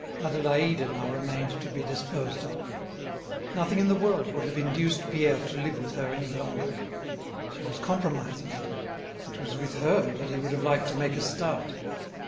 Adélaïde now remained to be disposed of. Nothing in the world would have induced Pierre to live with her any longer. She was compromising him; it was with her that he would have liked to make a start.